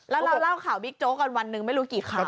แล้วเราเล่าข่าวบิ๊กโจ๊กกันวันหนึ่งไม่รู้กี่ข่าว